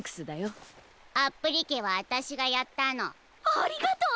ありがとう！